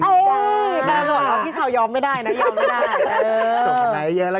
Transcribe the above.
แล้วพี่เช้ายอมยอมไม่ได้นะ